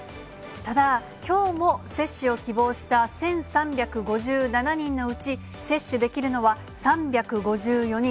ただ、きょうも接種を希望した１３５７人のうち、接種できるのは３５４人。